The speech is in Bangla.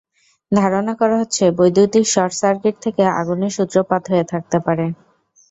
ধারণা করা হচ্ছে, বৈদ্যুতিক শর্টসার্কিট থেকে আগুনের সূত্রপাত হয়ে থাকতে পারে।